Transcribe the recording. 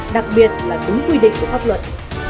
đặc biệt là đúng quy định của pháp luật